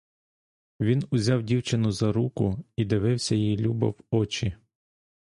Він узяв дівчину за руку і дивився їй любо в очі.